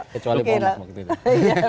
kecuali walmart waktu itu